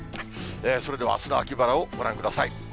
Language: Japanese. それではあすの秋晴れをご覧ください。